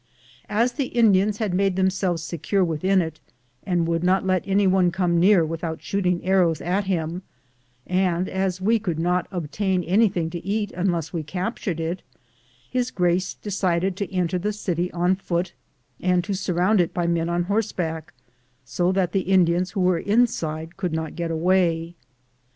As the Indians 1 Uttering the war cry of Santiago. ,:: GoOglc THE JOURNEY OP CORONADO bad made themselves secure within it, and would not let anyone come Dear without shooting arrows at him, and as we could not obtain anything to eat unless we captured it, his grace decided to enter the city on foot and to surround it by men on horseback, so that the Indians who were inside could not get away.